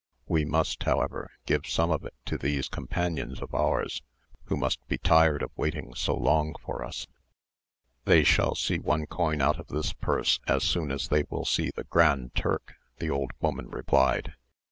We must, however, give some of it to these companions of ours, who must be tired of waiting so long for us." "They shall see one coin out of this purse as soon as they will see the Grand Turk," the old woman replied.